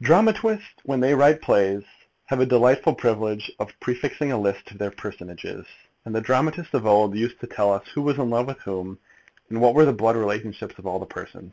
Dramatists, when they write their plays, have a delightful privilege of prefixing a list of their personages; and the dramatists of old used to tell us who was in love with whom, and what were the blood relationships of all the persons.